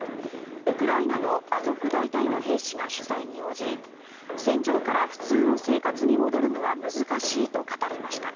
ウクライナのアゾフ大隊の兵士が取材に応じ戦場から普通の生活に戻るのは難しいと語りました。